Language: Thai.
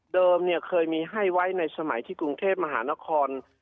เคยมีให้ไว้ในสมัยที่กรุงเทพมหานคร